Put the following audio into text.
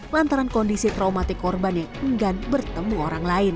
lantaran kondisi traumatik korban yang enggan bertemu orang lain